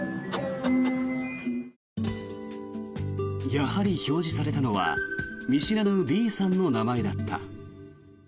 やはり表示されたのは見知らぬＢさんの名前だった。